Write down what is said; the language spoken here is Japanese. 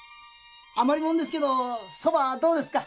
余りもんですけどそばどうですか？